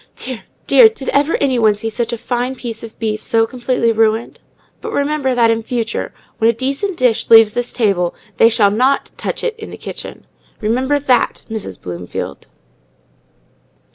Dear—dear! Did ever any one see such a fine piece of beef so completely ruined? But remember that, in future, when a decent dish leaves this table, they shall not touch it in the kitchen. Remember that, Mrs. Bloomfield!"